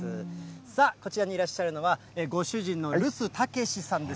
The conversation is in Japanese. さあ、こちらにいらっしゃるのは、ご主人の留守剛さんです。